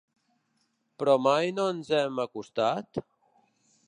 Però mai no ens hem acostat?